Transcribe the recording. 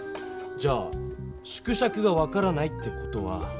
じゃあ縮尺が分からないって事は。